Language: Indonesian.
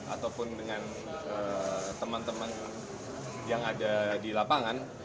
ataupun dengan teman teman yang ada di lapangan